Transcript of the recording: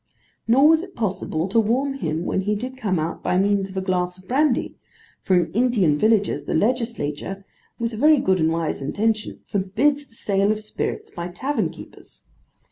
Nor was it possible to warm him, when he did come out, by means of a glass of brandy: for in Indian villages, the legislature, with a very good and wise intention, forbids the sale of spirits by tavern keepers.